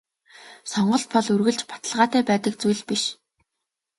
Сонголт бол үргэлж баталгаатай байдаг зүйл биш.